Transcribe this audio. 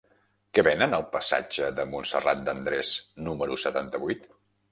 Què venen al passatge de Montserrat de Andrés número setanta-vuit?